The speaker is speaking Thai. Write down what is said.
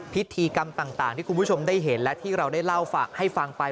พิธีกรรมต่างที่คุณผู้ชมได้เห็นและที่เราได้เล่าให้ฟังไป